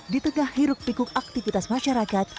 ditegah hiruk pikuk aktivitas masyarakat